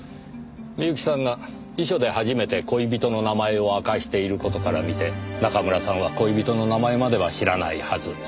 美由紀さんが遺書で初めて恋人の名前を明かしている事からみて中村さんは恋人の名前までは知らないはず。